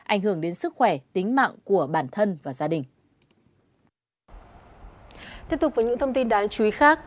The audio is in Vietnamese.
ảnh hưởng đến sức khỏe tính mạng của bản thân và gia đình